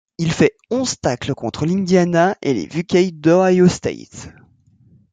Il fait onze tacles contre l'Indiana et les Vuckeyes d'Ohio State.